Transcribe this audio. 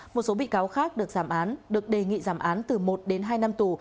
một số bị cáo khác được giảm án được đề nghị giảm án từ một đến hai năm tù